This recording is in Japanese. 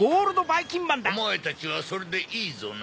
おまえたちはそれでいいぞな？